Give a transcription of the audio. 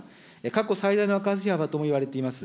過去最大の赤字幅ともいわれています。